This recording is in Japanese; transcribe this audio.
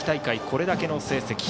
これだけの成績。